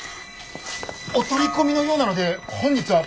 お取り込みのようなので本日は。